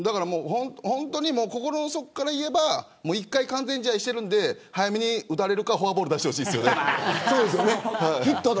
本当に心の底から言えば１回、完全試合しているので早めに打たれるかフォアボール出してほしいですよね。